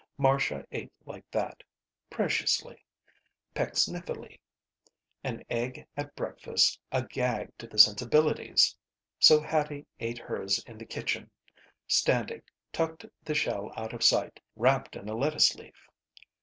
Marcia ate like that. Preciously. Pecksniffily. An egg at breakfast a gag to the sensibilities! So Hattie ate hers in the kitchen, standing, and tucked the shell out of sight, wrapped in a lettuce leaf.